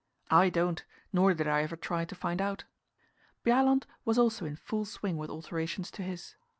I don't, nor did I ever try to find out. Bjaaland was also in full swing with alterations to his.